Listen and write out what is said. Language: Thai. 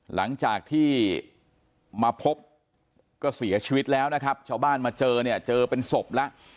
หลังจากที่มาพบก็เสียชีวิตแล้วนะครับชาวบ้านมาเจอเนี่ยเจอเป็นศพแล้ว